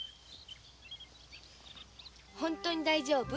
本当に大丈夫？